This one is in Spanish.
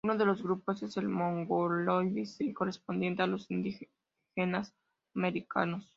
Uno de los grupos es el "mongoloide C", correspondiente a los indígenas americanos.